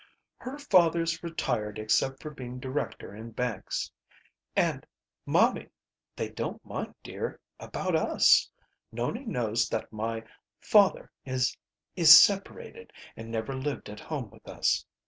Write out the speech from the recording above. "Her father's retired except for being director in banks. And, momie they don't mind, dear about us. Nonie knows that my father is is separated and never lived at home with us.